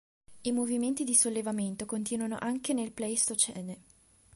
I movimenti di sollevamento continuano anche nel Pleistocene.